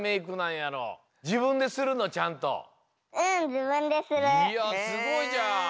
いやすごいじゃん。